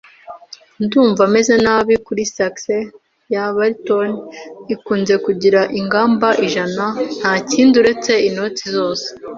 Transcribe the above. Ndumva meze nabi kuri sax ya baritone, ikunze kugira ingamba ijana ntakindi uretse inoti zose.